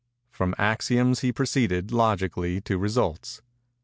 From axioms he proceeded, logically, to results.